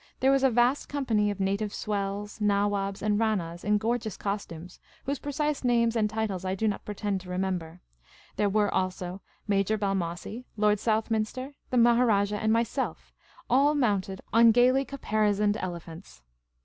There was a vast company of native swells, nawabs and ranas, in gor geous costumes, whose preci.se names and titles I do not pretend to remember; there were also Major Balmossie, Lord Southminster, the Maharajah, and myself — all mounted on gaily caparisoned elephants.